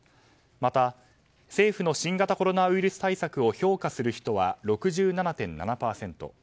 また、政府の新型コロナウイルス対策を評価する人は６７．７％。